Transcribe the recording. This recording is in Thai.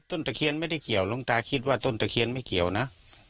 ตะเคียนไม่ได้เกี่ยวหลวงตาคิดว่าต้นตะเคียนไม่เกี่ยวนะ